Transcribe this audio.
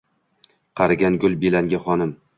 Qarigan gul, belangi xonim